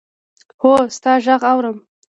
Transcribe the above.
هو! ستا ږغ اورم.